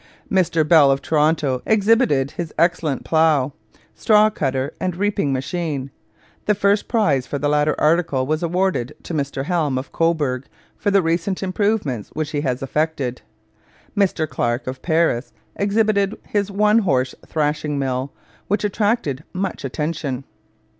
Mr Bell of Toronto exhibited his excellent plough, straw cutter, and reaping machine. The first prize for the latter article was awarded to Mr Helm of Cobourg for the recent improvements which he has effected. Mr Clark of Paris exhibited his one horse thrashing mill, which attracted much attention.